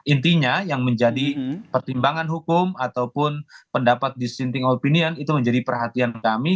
intinya yang menjadi pertimbangan hukum ataupun pendapat dissenting opinion itu menjadi perhatian kami